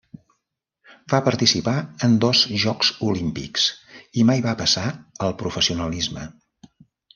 Va participar en dos Jocs Olímpics i mai va passar al professionalisme.